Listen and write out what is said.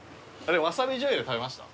わさびじょうゆで食べました？